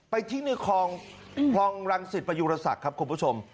ไปทิ้งในพร่องรังสิทธิ์ปริยุรสักครับคุณผู้ชม